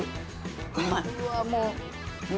うまい。